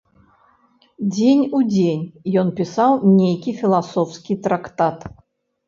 Дзень у дзень ён пісаў нейкі філасофскі трактат.